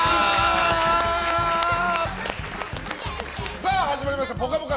さあ始まりました「ぽかぽか」